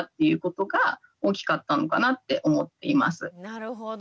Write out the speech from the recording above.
なるほど。